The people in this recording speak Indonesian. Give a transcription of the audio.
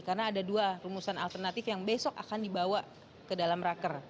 karena ada dua rumusan alternatif yang besok akan dibawa ke dalam raker